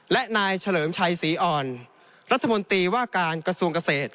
และนายเฉลิมชัยศรีอ่อนรัฐมนตรีว่าการกระทรวงเกษตร